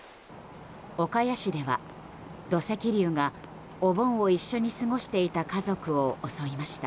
岡谷市では土石流がお盆を一緒に過ごしていた家族を襲いました。